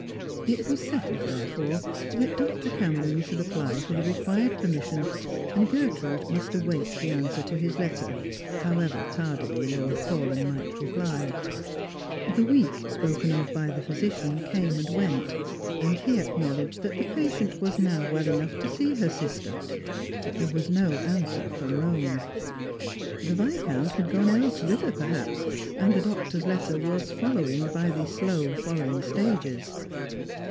It was settled therefore that Dr. Cameron should apply for the required permission, and Gertrude must await the answer to his letter, however tardily Lord Paulyn might reply. The week spoken of by the 2)hysician came and went, and he acknowledged that his patient was now well enough to see her sister, but there was no answer from Eome. The Viscount had gone elsewhither, perhaps, and the doctor's letter was following by the slow foreign stages.